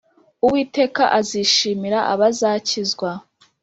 Uwiteka azishimira abazakizwa.